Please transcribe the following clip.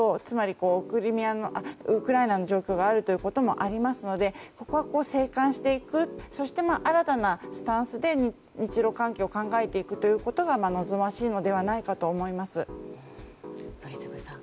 つまりウクライナの状況があるということもありますのでここは静観していくそして新たなスタンスで日露関係を考えていくことが望ましいのではないかと思います。